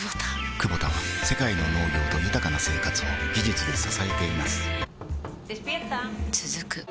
クボタは世界の農業と豊かな生活を技術で支えています起きて。